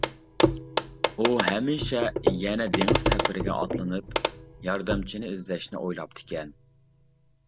ئۇ ھەمىشە يەنە دېڭىز سەپىرىگە ئاتلىنىپ، ياردەمچىنى ئىزدەشنى ئويلاپتىكەن.